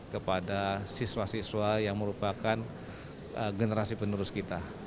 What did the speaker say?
kepada siswa siswa yang merupakan generasi penerus kita